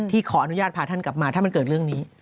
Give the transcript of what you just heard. ขออนุญาตพาท่านกลับมาถ้ามันเกิดเรื่องนี้